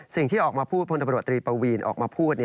สิ่งที่ออกมาพูดพลตำรวจตรีปวีนออกมาพูด